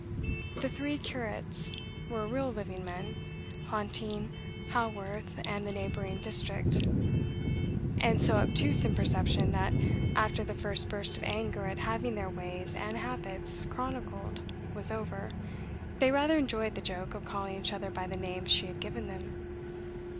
The "three curates" were real living men, haunting Haworth and the neighbouring district; and so obtuse in perception that, after the first burst of anger at having their ways and habits chronicled was over, they rather enjoyed the joke of calling each other by the names she had given them.